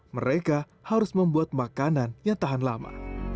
mereka harus membuat makanan yang tahan lama